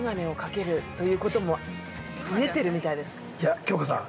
◆いや、京子さん